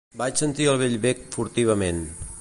Vaig sentir el vell bec furtivament.